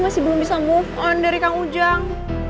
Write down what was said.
masih belum bisa move on dari kang ujang